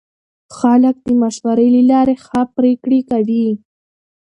خلک د مشورې له لارې ښه پرېکړې کوي